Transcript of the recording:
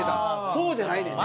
そうじゃないねんね。